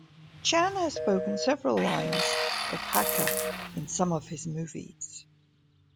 Chan has spoken several lines of Hakka in some of his movies.